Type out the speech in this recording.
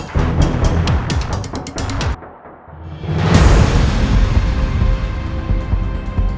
but arissa kalau mas